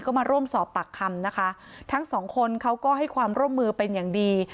ก็มาร่วมสอบปากคำนะคะทั้งสองคนเขาก็ให้ความร่วมมือเป็นอย่างดี